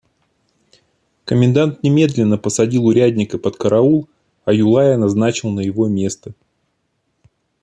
Комендант немедленно посадил урядника под караул, а Юлая назначил на его место.